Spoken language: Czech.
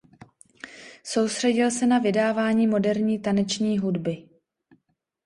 Soustředil se na vydávání moderní taneční hudby.